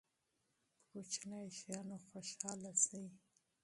په کوچنیو شیانو خوشحاله شئ.